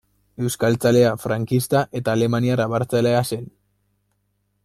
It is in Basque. Euskaltzalea, frankista eta alemaniar abertzalea zen.